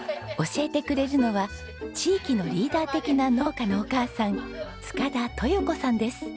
教えてくれるのは地域のリーダー的な農家のお母さん塚田とよ子さんです。